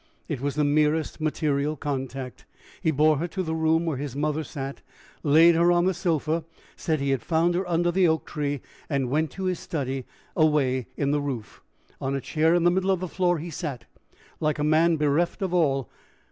It was the merest material contact. He bore her to the room where his mother sat, laid her on the sofa, said he had found her under the oak tree and went to his study, away in the roof. On a chair in the middle of the floor he sat, like a man bereft of all.